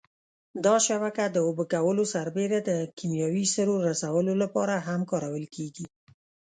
دا شبکه د اوبه کولو سربېره د کېمیاوي سرو رسولو لپاره هم کارول کېږي.